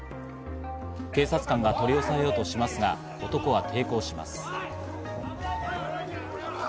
警察官が取り押さえようとしますが、男は抵抗します。